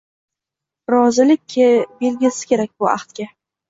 Rozilik belgisi kerak bu ahdga.